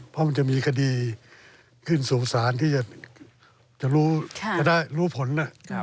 เพราะมันจะมีคดีขึ้นสู่สารที่จะรู้ผลน่ะ